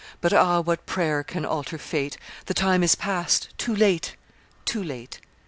But ah! what prayer can alter fate? The time is past; too late! too late!